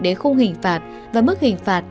đến khung hình phạt và mức hình phạt